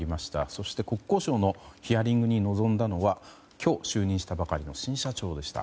そして、国交省のヒアリングに臨んだのは今日就任したばかりの新社長でした。